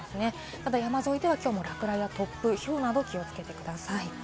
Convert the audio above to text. ただ山沿いでは、きょうも落雷や突風、ひょうなどに気をつけてください。